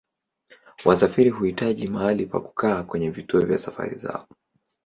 Wasafiri huhitaji mahali pa kukaa kwenye vituo vya safari zao.